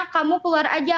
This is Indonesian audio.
kamu keluar aja